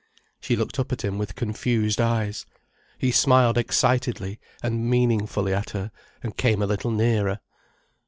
She looked up at him with confused eyes. He smiled excitedly and meaningful at her, and came a little nearer.